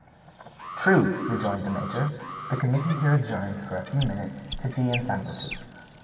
"True," rejoined the major. The committee here adjourned for a few minutes to tea and sandwiches.